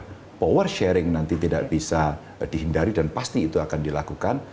karena power sharing nanti tidak bisa dihindari dan pasti itu akan dilakukan